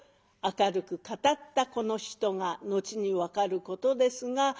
明るく語ったこの人が後に分かることですが